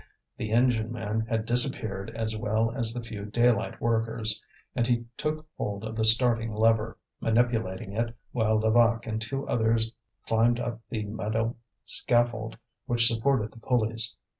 The engine man had disappeared as well as the few daylight workers; and he took hold of the starting lever, manipulating it while Levaque and two other climbed up the metal scaffold which supported the pulleys.